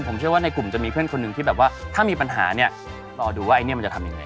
ผมเชื่อว่าในกลุ่มจะมีเพื่อนคนหนึ่งที่แบบว่าถ้ามีปัญหาเนี่ยรอดูว่าไอ้เนี่ยมันจะทำยังไง